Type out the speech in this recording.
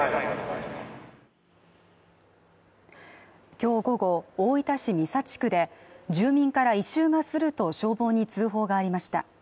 今日午後、大分市三佐地区で、住民から異臭がすると消防に通報がありました。